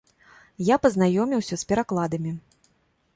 Я пазнаёміўся з перакладамі.